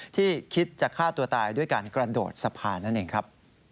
ที่คิดจะฆ่าตัวตายด้วยการกระโดดสะพานนั่นเองครับ